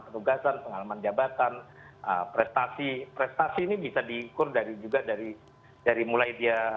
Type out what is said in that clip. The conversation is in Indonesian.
petugasan pengalaman jabatan prestasi prestasi ini bisa diingkur dari juga dari mulai dia